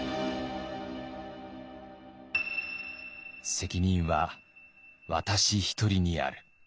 「責任は私一人にある」。